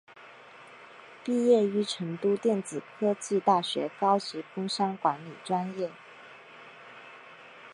毕业于成都电子科技大学高级工商管理专业。